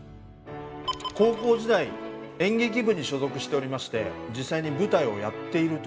高校時代演劇部に所属しておりまして実際に舞台をやっている時の写真です。